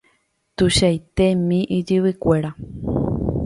Tuichaitémi ijyvykuéra.